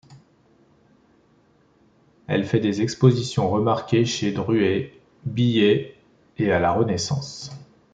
Elle fait des expositions remarquées chez Druet, Billiet et à la Renaissance.